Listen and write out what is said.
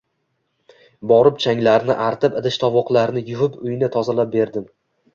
Borib changlarini artib, idish-tovoqlarini yuvib, uyini tozalab berdim